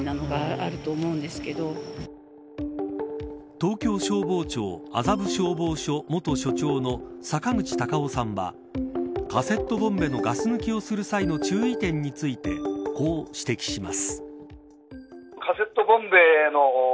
東京消防庁麻布消防署元署長の坂口さんはカセットボンベのガス抜きをする際の注意点についてこう指摘します。